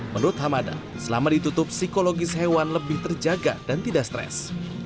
menurut hamada selama ditutup psikologis hewan lebih terjaga dan tidak stres